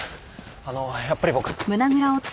あのやっぱり僕。